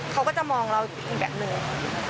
เขาก็จะมองเราอีกแบบหนึ่ง